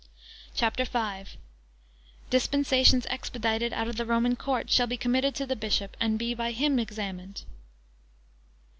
CHAPTER V. Dispensations expedited out of the (Roman) court shall be committed to the Bishop, and be by him examined.